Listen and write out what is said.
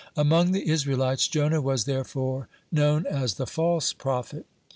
Among the Israelites Jonah was, therefore, known as "the false prophet."